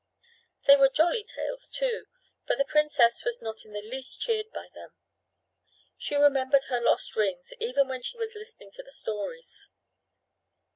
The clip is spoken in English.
They were jolly tales, too, but the princess was not in the least cheered by them. She remembered her lost rings even when she was listening to the stories.